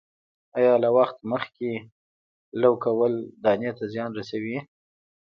آیا له وخت مخکې لو کول دانې ته زیان رسوي؟